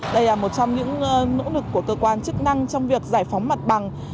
đây là một trong những nỗ lực của cơ quan chức năng trong việc giải phóng mặt bằng